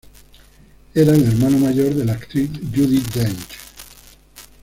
Era el hermano mayor de la actriz Judi Dench.